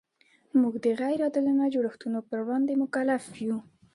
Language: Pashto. موږ د غیر عادلانه جوړښتونو پر وړاندې مکلف یو.